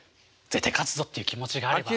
絶対勝つぞっていう気持ちがあれば。